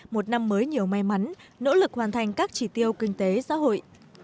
một năm mới nhiều may mắn nỗ lực hoàn thành các chỉ tiêu kinh tế xã hội